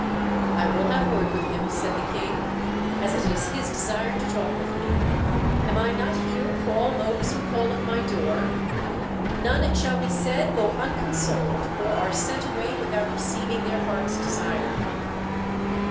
"I will have word with him," said the King, "as it is his desire to talk with me. Am I not here for all those who call at my door? None, it shall be said, go unconsoled or are sent away without receiving their heart's desire."